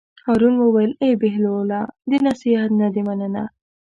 هارون وویل: ای بهلوله د نصیحت نه دې مننه.